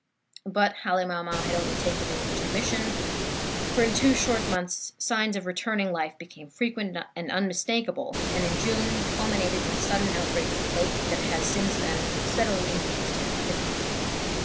But Halemaumau had only taken an intermission, for in two short months signs of returning life became frequent and unmistakable, and, in June, culminated in the sudden outbreak of a lake that has since then steadily increased in activity."